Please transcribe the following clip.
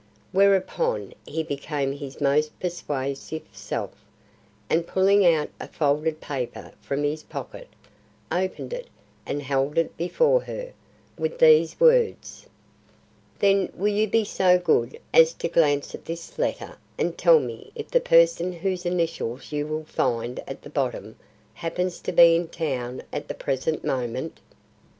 Whereupon he became his most persuasive self, and pulling out a folded paper from his pocket, opened it and held it before her, with these words: "Then will you be so good as to glance at this letter and tell me if the person whose initials you will find at the bottom happens to be in town at the present moment?"